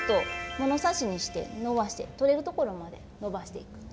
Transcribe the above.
物差しにしてのばしてとれるところまでのばしていく。